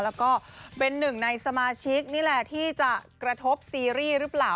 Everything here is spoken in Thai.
แล้วก็เป็นหนึ่งในสมาชิกนี่แหละที่จะกระทบซีรีส์หรือเปล่า